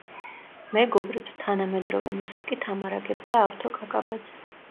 მეგობრებს თანამედროვე მუსიკით ამარაგებდა ავთო კაკაბაძე.